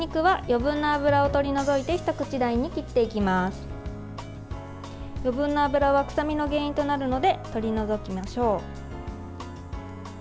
余分な脂は臭みの原因となるので取り除きましょう。